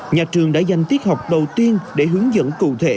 nhà trường đã dành tiết học đầu tiên để hướng dẫn cụ thể